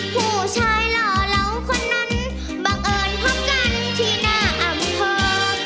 ผู้ชายหล่อเหล่าคนนั้นบังเอิญพบกันที่หน้าอำเภอ